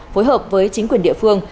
phối hợp với chính quyền địa phương